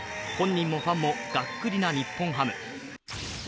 本人もファンもがっくりな日本ハム。